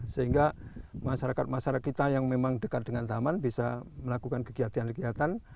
sehingga masyarakat masyarakat kita yang memang dekat dengan taman bisa melakukan kegiatan kegiatan